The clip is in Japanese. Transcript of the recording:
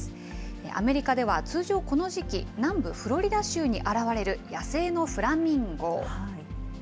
アメリカでは通常、この時期、南部フロリダ州に現れる野生のフラミンゴ。